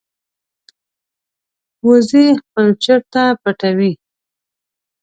وزې خپل چرته پټوي